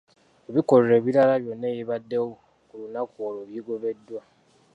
Ebikolwa ebirala byonna ebibaddewo ku lunaku olwo bigobeddwa.